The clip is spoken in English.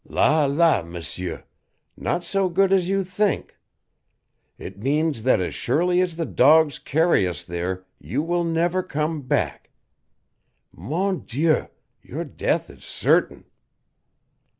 "La, la, M'seur not so good as you think. It means that as surely as the dogs carry us there you will never come back. Mon Dieu, your death is certain!"